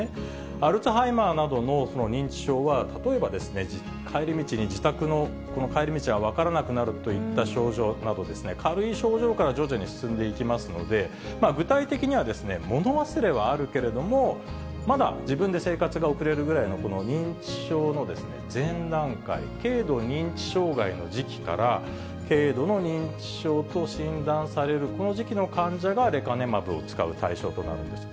アルツハイマーなどの認知症は例えば、帰り道に自宅の、帰り道が分からなくなるという症状など、軽い症状から徐々に進んでいきますので、具体的には物忘れはあるけれども、まだ自分で生活が送れるぐらいの認知症の前段階、軽度認知障害の時期から、軽度の認知症と診断される、この時期の患者がレカネマブを使う対象となるんです。